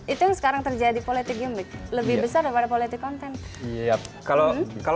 itu yang sekarang terjadi politik gimmick lebih besar daripada politik konten